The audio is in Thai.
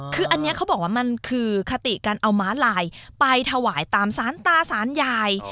คืออันนี้เขาบอกว่ามันคือคติการเอาม้าลายไปถวายตามสารตาสารยาย